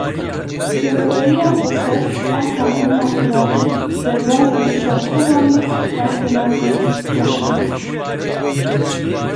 Rêveberiya Xweser a Kantona Firatê derbarê rewşa Kobaniyê daxuyaniyek weşand